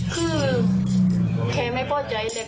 คือแกไม่พอใจเลย